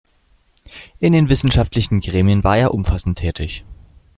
In den wissenschaftlichen Gremien war er umfassend tätig.